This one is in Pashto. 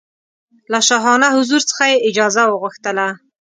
له شاهانه حضور څخه یې اجازه وغوښتله.